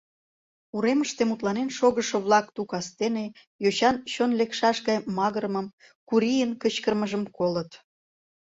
Уремыште мутланен шогышо-влак ту кастене йочан чон лекшаш гай магырымым, Курийын кычкырымыжым колыт.